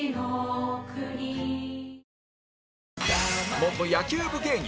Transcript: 元野球部芸人